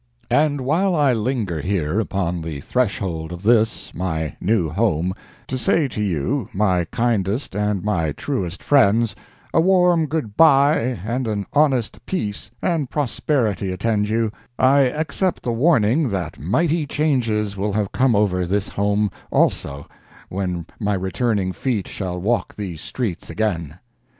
"And while I linger here upon the threshold of this, my new home, to say to you, my kindest and my truest friends, a warm good bye and an honest peace and prosperity attend you, I accept the warning that mighty changes will have come over this home also when my returning feet shall walk these streets again.